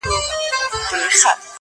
یو يې زوی وو په کهاله کي نازولی-